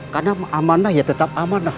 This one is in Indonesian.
karena amanah ya tetap amanah